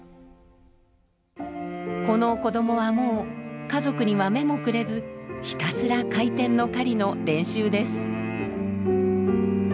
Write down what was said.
この子どもはもう家族には目もくれずひたすら「回転の狩り」の練習です。